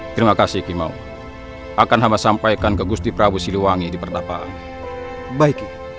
terima kasih ke mau akan habis sampaikan ke gusti prabu siliwangi di pertapaan baik